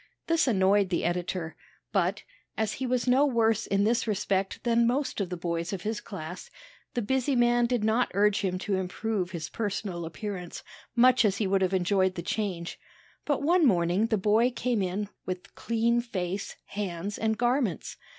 This annoyed the editor; but, as he was no worse in this respect than most of the boys of his class, the busy man did not urge him to improve his personal appearance, much as he would have enjoyed the change. But one morning the boy came in with clean face, hands, and garments.